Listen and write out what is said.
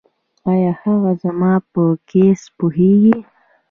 ایا هغه زما په کیس پوهیږي؟